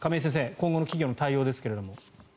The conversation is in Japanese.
今後の企業の対応ですけれども。